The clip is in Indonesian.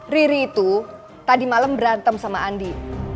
riri itu tadi malam berantem sama andi